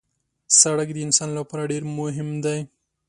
سړک د انسان لپاره ډېر مهم دی.